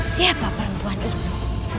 siapa perempuan itu